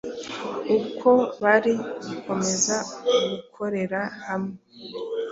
Uko bari gukomeza gukorera hamwe,